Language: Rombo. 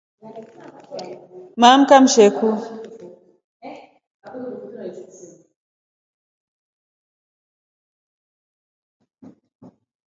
Maamka mshekuu.